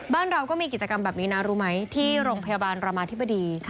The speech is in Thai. บ้านเราก็มีกิจกรรมแบบนี้นะรู้ไหมที่โรงพยาบาลรามาธิบดี